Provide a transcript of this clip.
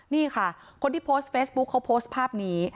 นี่ค่ะคนที่โพสต์เฟซบุ๊คเขาโพสต์ภาพนี้